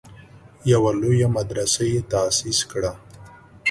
یوه لویه مدرسه یې تاسیس کړه.